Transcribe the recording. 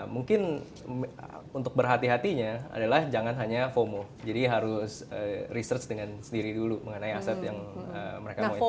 mungkin untuk berhati hatinya adalah jangan hanya fomo jadi harus research dengan sendiri dulu mengenai aset yang mereka mau itu